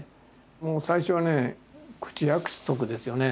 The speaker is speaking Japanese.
もう最初はね口約束ですよね。